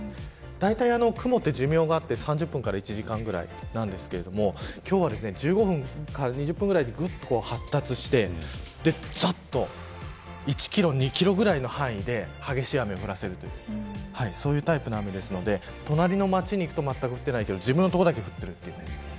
だいたい雲は寿命があって３０分から１時間くらいですが今日は１５分から２０分ぐらいでぐっと発達してざっと１キロ、２キロぐらいの範囲で、激しい雨を降らせるというタイプの雨ですので隣の町に行くとまったく降っていないけど自分の所だけ降っている。